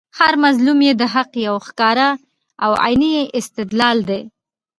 هر مظلوم ئې د حق یو ښکاره او عیني استدلال دئ